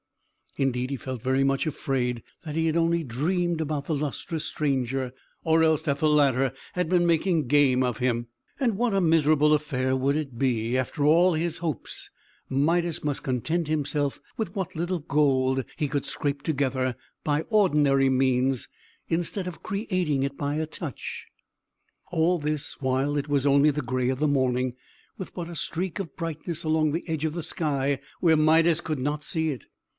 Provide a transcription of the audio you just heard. Indeed, he felt very much afraid that he had only dreamed about the lustrous stranger, or else that the latter had been making game of him. And what a miserable affair would it be, if, after all his hopes, Midas must content himself with what little gold he could scrape together by ordinary means, instead of creating it by a touch! All this while, it was only the gray of the morning, with but a streak of brightness along the edge of the sky, where Midas could not see it.